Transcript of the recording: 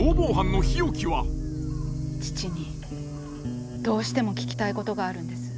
父にどうしても聞きたいことがあるんです。